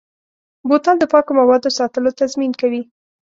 بوتل د پاکو موادو ساتلو تضمین کوي.